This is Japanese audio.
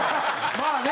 まあね！